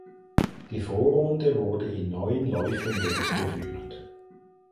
Die Vorrunde wurde in neun Läufen durchgeführt.